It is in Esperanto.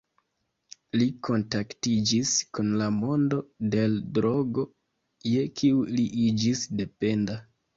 Li kontaktiĝis kun la mondo de l’drogo, je kiu li iĝis dependa.